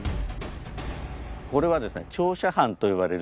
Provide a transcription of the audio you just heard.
これはですね。